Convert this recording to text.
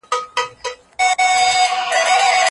هغه سړی چي له چا سره بد نه کوي، ښه دی.